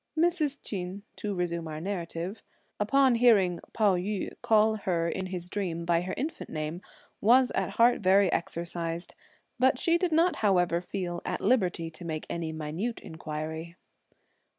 Mrs. Ch'in, to resume our narrative, upon hearing Pao yü call her in his dream by her infant name, was at heart very exercised, but she did not however feel at liberty to make any minute inquiry.